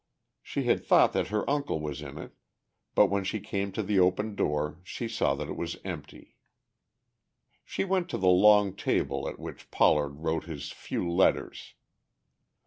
She had thought that her uncle was in it, but when she came to the open door she saw that it was empty. She went to the long table at which Pollard wrote his few letters.